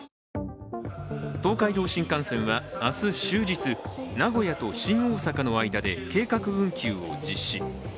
東海道新幹線は明日終日名古屋と新大阪の間で計画運休を実施。